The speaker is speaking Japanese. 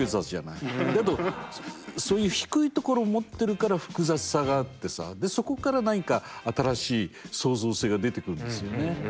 けどそういう低いところを持ってるから複雑さがあってさでそこから何か新しい創造性が出てくるんですよね。